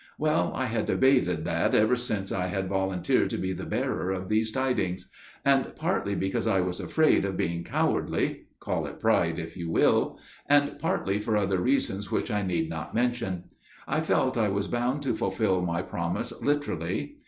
Well, I had debated that ever since I had volunteered to be the bearer of these tidings: and partly because I was afraid of being cowardly––call it pride if you will––and partly for other reasons which I need not mention, I felt I was bound to fulfil my promise literally.